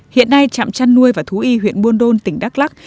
hiện nay trạm chăn nuôi và thú y huyện buôn đôn tỉnh đắk lắc